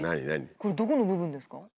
これどこの部分ですか？